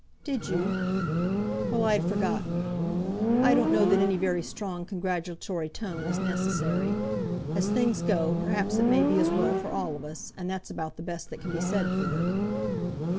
"Did you? well; I had forgotten. I don't know that any very strong congratulatory tone is necessary. As things go, perhaps it may be as well for all of us, and that's about the best that can be said for it."